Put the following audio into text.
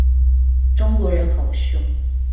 中國人好兇